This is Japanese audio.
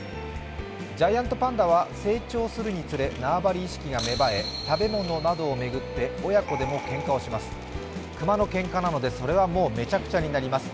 ジャイアントパンダは成長するにつれ縄張り意識が芽生え食べ物などを巡って親子でもけんかをします。